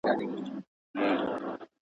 زه کتابتون ته نه راځم؟